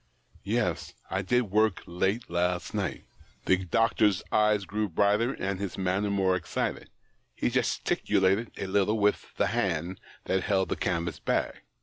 ■Yes ; I did work late last night." The doctor's eyes grew brighter, and his manner more excited ; he gesticulated a little with the hand that held the canvas bag.